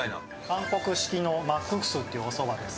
韓国式のマッククスっておそばです。